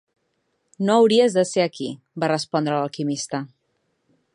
"No hauries de ser aquí", va respondre l'alquimista.